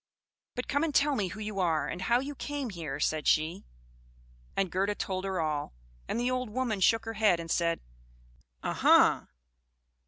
"But come and tell me who you are, and how you came here," said she. And Gerda told her all; and the old woman shook her head and said, "A hem!